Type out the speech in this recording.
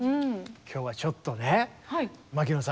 今日はちょっとね牧野さん